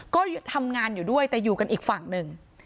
ก็ทำงานอยู่ด้วยแต่อยู่กันอีกฝั่งหนึ่ง